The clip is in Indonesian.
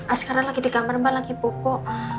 askara lagi di kamar mbak lagi popo